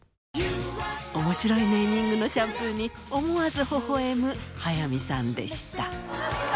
面白いネーミングのシャンプーに思わずほほ笑む早見さんでした。